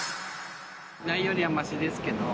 ないよりはましですけれども。